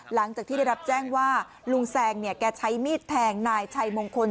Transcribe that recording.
หลังจากที่ได้รับแจ้งว่าลุงแซงเนี่ยแกใช้มีดแทงนายชัยมงคล